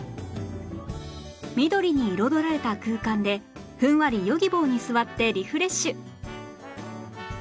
緑に彩られた空間でふんわり Ｙｏｇｉｂｏ に座ってリフレッシュ！